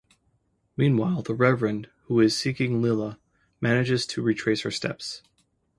Meanwhile, the Reverend, who is seeking Lila, manages to retrace her steps.